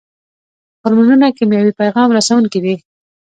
هورمونونه کیمیاوي پیغام رسوونکي دي